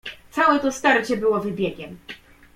"Całe to starcie było wybiegiem."